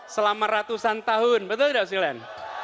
selama ratusan tahun betul tidak pak silian